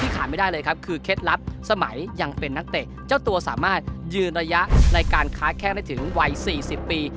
ข้าแข้งได้ถึงวัย๔๐ปี